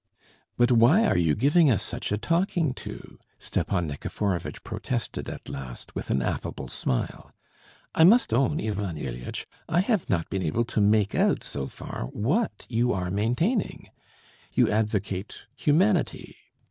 "But why are you giving us such a talking to?" Stepan Nikiforovitch protested at last, with an affable smile. "I must own, Ivan Ilyitch, I have not been able to make out, so far, what you are maintaining. You advocate humanity.